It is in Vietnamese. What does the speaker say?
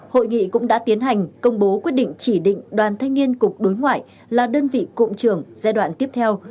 hội nghị cũng đã tiến hành công bố quyết định chỉ định đoàn thanh niên cục đối ngoại là đơn vị cụm trưởng giai đoạn tiếp theo